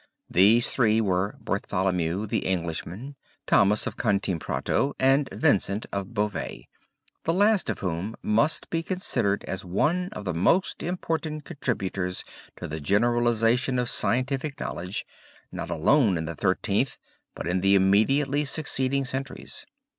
These three were Bartholomew, the Englishman; Thomas, of Cantimprato, and Vincent, of Beauvais, the last of whom must be considered as one of the most important contributors to the generalization of scientific knowledge, not alone in the Thirteenth but in the immediately succeeding centuries.